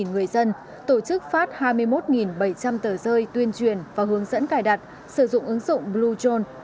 người dân tổ chức phát hai mươi một bảy trăm linh tờ rơi tuyên truyền và hướng dẫn cài đặt sử dụng ứng dụng blue